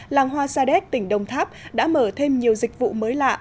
làng hoa sa đéc tỉnh đồng tháp đã mở thêm nhiều dịch vụ mới lạ